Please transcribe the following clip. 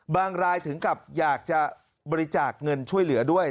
รายถึงกับอยากจะบริจาคเงินช่วยเหลือด้วย